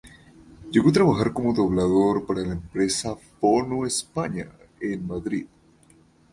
Llegó a trabajar como doblador para la empresa Fono España, en Madrid.